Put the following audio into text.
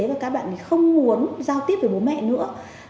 và các bạn ấy không muốn giao tiếp với bố mẹ nữa